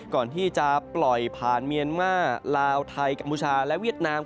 ก่อนที่จะปล่อยผ่านเมียนมาลาวไทยกัมพูชาและเวียดนาม